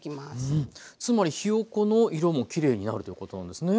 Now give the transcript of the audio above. うんつまりひよこの色もきれいになるということなんですね。